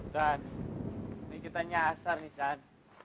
san ini kita nyasar nih san